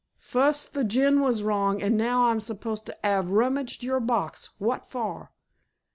"Fust, the gin was wrong, an' now I'm supposed to 'ave rummidged yur box. Wot for?"